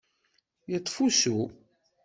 Yeṭṭef usu.